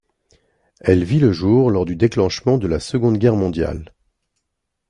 Elle vit le jour lors du déclenchement de la Seconde Guerre mondiale.